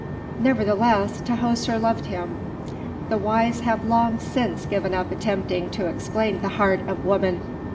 Nevertheless, Tahoser loved him. The wise have long since given up attempting to explain the heart of woman.